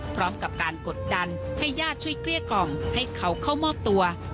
พร้อมกับการกดดันให้ญาติช่วยเกลี้ยกล่อมให้เขาเข้ามอบตัว